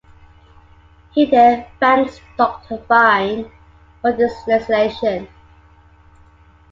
He then thanks "Doctor Fine" for this realization.